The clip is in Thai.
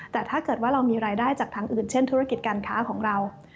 แต่ถ้าเกิดว่าเรามีรายได้จากทางอื่นเช่นธุรกิจการค้าของเรา